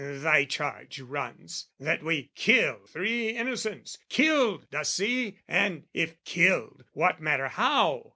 Thy charge runs, that we killed three innocents: Killed, dost see? Then, if killed, what matter how?